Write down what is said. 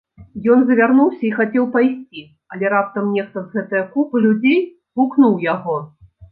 Ён завярнуўся і хацеў пайсці, але раптам нехта з гэтае купы людзей гукнуў яго.